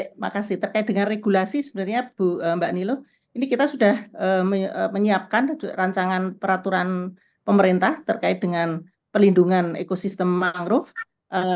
terima kasih terkait dengan regulasi sebenarnya mbak nilo ini kita sudah menyiapkan rancangan peraturan pemerintah terkait dengan pelindungan ekosistem mangrove